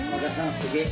すげえ。